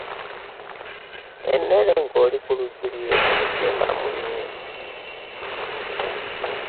Emmere ng’oli ku lujjuliro togisimbamu nnwe.